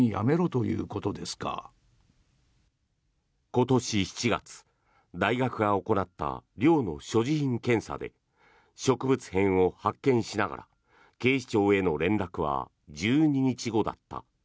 今年７月大学が行った寮の所持品検査で植物片を発見しながら警視庁への連絡は１２日後だった。